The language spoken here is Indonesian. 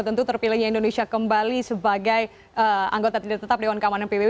tentu terpilihnya indonesia kembali sebagai anggota tidak tetap dewan keamanan pbb